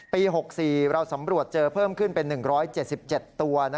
๖๔เราสำรวจเจอเพิ่มขึ้นเป็น๑๗๗ตัว